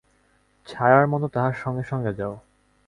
ছায়ার মত তাহার সঙ্গে সঙ্গে যাও।